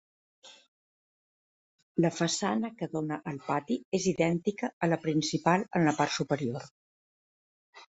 La façana que dóna al pati és idèntica a la principal en la part superior.